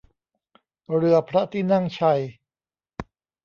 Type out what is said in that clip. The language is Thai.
เรือพระที่นั่งชัย